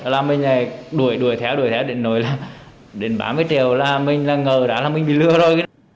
là mình này đuổi đuổi theo đuổi theo đến nổi là đến ba mươi triệu là mình là ngờ đã là mình bị lừa rồi